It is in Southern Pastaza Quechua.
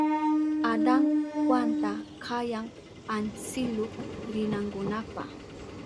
Adan Juanta kayan antsiluk rinankunapa.